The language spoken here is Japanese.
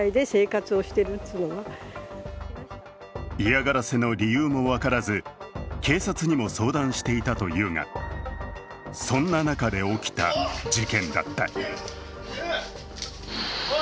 嫌がらせの理由も分からず、警察にも相談していたというが、そんな中で起きた事件だった。